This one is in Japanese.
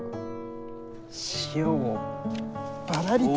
塩をバラリと。